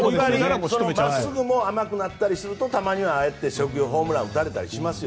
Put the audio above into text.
真っすぐも甘くなったりするとたまにはああやって初球ホームランを打たれたりしますよ。